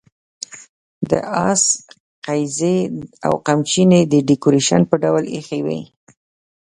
د آس قیضې او قمچینې د ډیکوریشن په ډول اېښې وې.